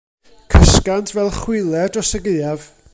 Cysgant fel chwiler dros y gaeaf.